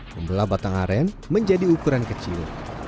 membela batang aren menjadi ukuran kecil